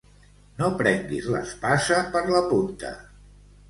No prenguis l'espasa per la punta.